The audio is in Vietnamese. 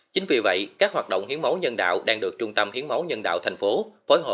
chính vì vậy các hoạt động hiến máu nhân đạo đang được trung tâm hiến máu nhân đạo tp hcm